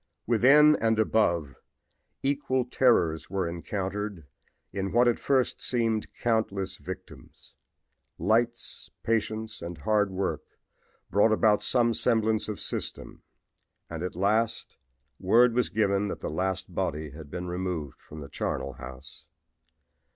"Within and above equal terrors were encountered in what at first seemed countless victims. Lights, patience and hard work brought about some semblance of system and at last word was given that the last body had been removed from the charnel house.